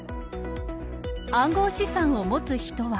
暗号資産を持つ人は。